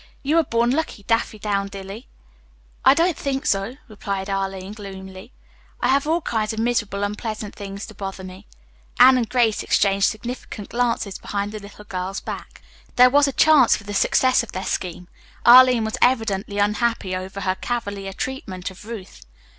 You were born lucky, Daffydowndilly." "I don't think so," replied Arline gloomily. "I have all kinds of miserable, unpleasant things to bother me." Anne and Grace exchanged significant glances behind the little girl's back. There was a chance for the success of their scheme. Arline was evidently unhappy over her cavalier treatment of Ruth.